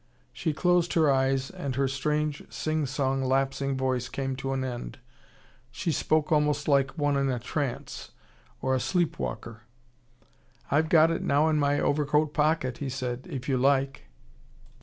She closed her eyes and her strange, sing song lapsing voice came to an end. She spoke almost like one in a trance or a sleep walker. "I've got it now in my overcoat pocket," he said, "if you like."